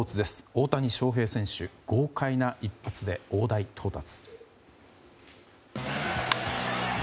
大谷翔平選手、豪快な一発で大台到達。